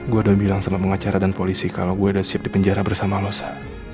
gue udah bilang sama pengacara dan polisi kalau gue udah siap dipenjara bersama lo sa